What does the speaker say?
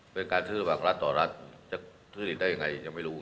เป็นการซื้อระหว่างรัฐต่อรัฐจะทุจริตได้ยังไงยังไม่รู้